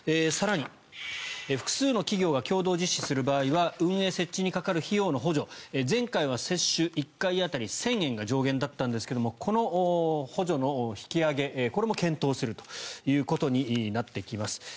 更に複数の企業が共同実施する場合は運営・設置にかかる費用の補助前回は接種１回当たり１０００円が上限だったんですがこの補助の引き上げも検討するということになってきます。